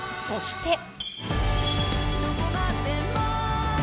そして。